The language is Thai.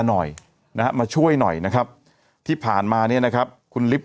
หน่อยนะฮะมาช่วยหน่อยนะครับที่ผ่านมาเนี่ยนะครับคุณลิฟต